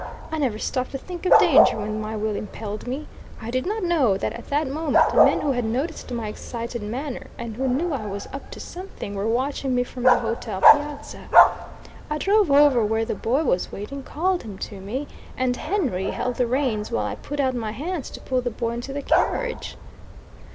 I never stopped to think of danger when my will impelled me. I did not know that at that moment, men who had noticed my excited manner, and who knew I was "up to something," were watching me from the hotel piazza. I drove over where the boy was waiting, called him to me, and Henry held the reins while I put out my hands to pull the boy into the carriage.